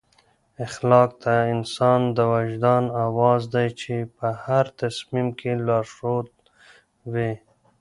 اخلاق د انسان د وجدان اواز دی چې په هر تصمیم کې لارښود وي.